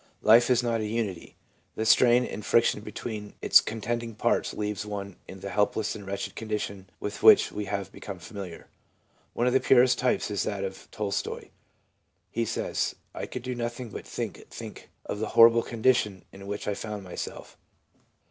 Life is not a unity. The strain and friction between its contending parts leaves one in the helpless and wretched condition with which we have become familiar. One of the purest types is that of Tolstoi. He says, ' I could do nothing but think, think of the horrible condition in which I found myself.